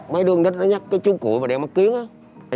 mấy đứa nít nó nhắc cái chú cụi mà đeo mắt kiếng á